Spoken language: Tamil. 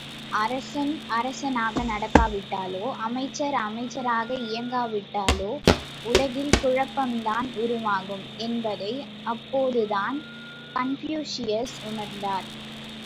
அரசன் அரசனாக நடக்காவிட்டாலோ, அமைச்சர் அமைச்சராக இயங்கா விட்டாலோ உலகில் குழப்பம்தான் உருவாகும் என்பதை அப்போதுதான் கன்பூசியஸ் உணர்ந்தார்.